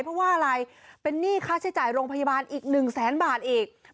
เพราะว่าอะไรเป็นหนี้ค่าใช้จ่ายโรงพยาบาลอีก๑แสนบาทอีก